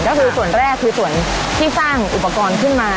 ก็คือส่วนแรกที่สร้างอุปกรณ์ขึ้นมา